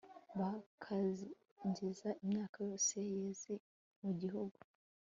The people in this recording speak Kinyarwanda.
bakangiza imyaka yose yeze mu gihugu